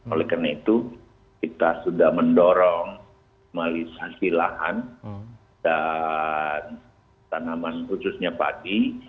oleh karena itu kita sudah mendorong normalisasi lahan dan tanaman khususnya padi